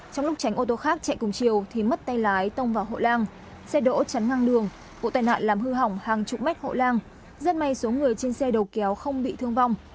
trong lúc tránh ô tô khác chạy cùng chiều thì mất tay lái tông vào hộ lang xe đỗ chắn ngang đường vụ tai nạn làm hư hỏng hàng chục mét hộ lang rất may số người trên xe đầu kéo không bị thương vong